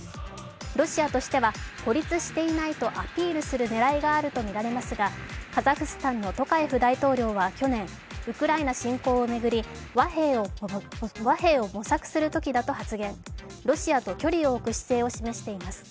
ロシアとしては孤立していないとアピールする狙いがあるとみられますがカザフスタンのトカエフ大統領は去年、ウクライナ侵攻を巡り、和平を模索するときだと発言、ロシアと距離を置く姿勢を示しています。